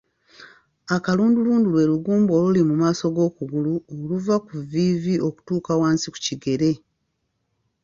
Akalundulundu lwe lugumba oluli mu maaso g’okugulu oluva ku vviivi okutuuka wansi ku kigere.